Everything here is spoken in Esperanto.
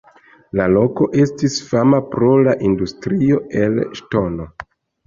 La loko estis fama pro la industrio el ŝtono.